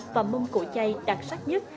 và mông cổ chay đặc sắc nhất